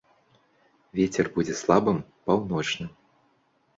Вецер будзе слабым, паўночным.